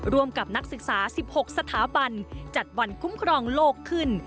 ร่วมกับนักศึกษา๑๖สถาบันจัดวันคุ้มครองโลกขึ้น